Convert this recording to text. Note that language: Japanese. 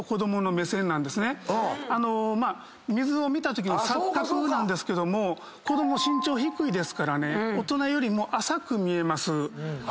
水を見たときの錯覚なんですけども子ども身長低いですからね大人よりも浅く見えます。